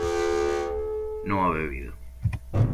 no ha bebido